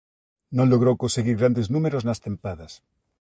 Non logrou conseguir grandes números nas tempadas.